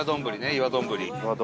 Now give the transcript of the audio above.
岩丼。